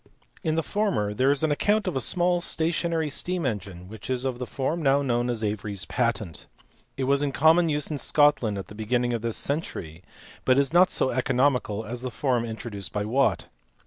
In the former there is an account of a small stationary steam engine which is of the form now known as Avery s patent : it was in common use in Scotland at the beginning of this century, but is not so economical as the form introduced by Watt.